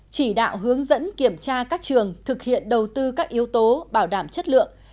chỉ đạo hướng dẫn kiểm tra các trường thực hiện đầu tư các yếu tố bảo đảm chất lượng